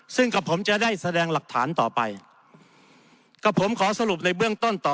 ซึ่งกับผมจะได้แสดงหลักฐานต่อไปกับผมขอสรุปในเบื้องต้นต่อ